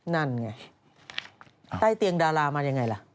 นั่นไงใต้เตียงดารามายังไงล่ะ